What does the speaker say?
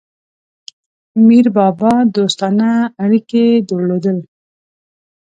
میربابا دوستانه اړیکي درلودل.